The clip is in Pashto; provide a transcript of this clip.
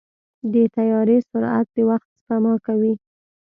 د طیارې سرعت د وخت سپما کوي.